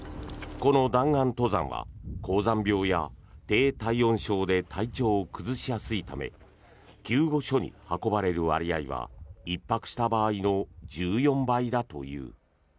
この弾丸登山は高山病や低体温症で体調を崩しやすいため救護所に運ばれる割合は１泊した場合の１４倍だという。